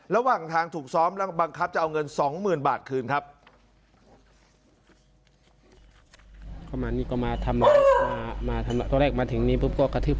ระหว่างทางถูกซ้อมและบังคับจะเอาเงิน๒๐๐๐บาทคืนครับ